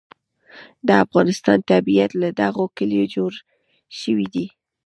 د افغانستان طبیعت له دغو کلیو جوړ شوی دی.